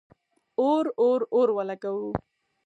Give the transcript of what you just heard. اور، اور، اور ولګوو